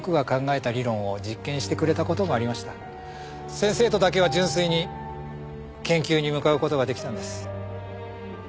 先生とだけは純粋に研究に向かう事が出来たんです。